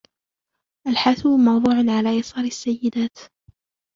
الحاسوب موضوع على يسار السيدات.